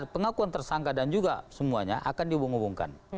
pengakuan tersangka dan juga semuanya akan dihubung hubungkan